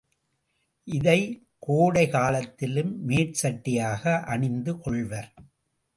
இதைக் கோடை காலத்திலும் மேற்சட்டையாக அணிந்து கொள்வர்.